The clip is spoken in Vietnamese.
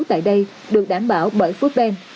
tại đây được đảm bảo bởi foodbank